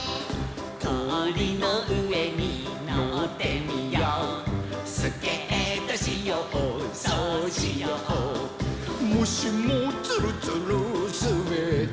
「こおりのうえにのってみよう」「スケートしようそうしよう」「もしもツルツルすべったら」